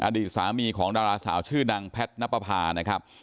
อดีตสามีของดาราสาวชื่อดังแพทย์นับประพานะครับ